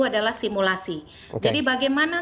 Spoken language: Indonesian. adalah simulasi jadi bagaimana